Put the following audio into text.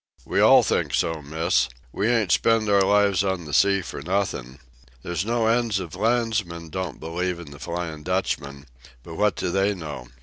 "We all think so, Miss. We ain't spent our lives on the sea for nothin'. There's no end of landsmen don't believe in the Flyin' Dutchman. But what do they know?